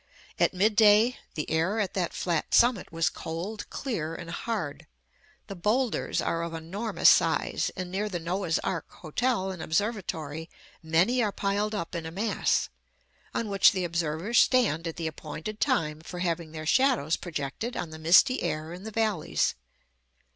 At mid day, the air at the flat summit was cold, clear, and hard. The boulders are of enormous size; and near the "Noah's Ark" Hotel and Observatory many are piled up in a mass, on which the observers stand at the appointed time for having their shadows projected on the misty air in the valleys.